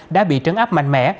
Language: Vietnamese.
đã bị trấn áp mạnh mẽ